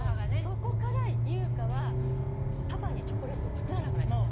そこから優香はパパにチョコレートを作らなくなっちゃった。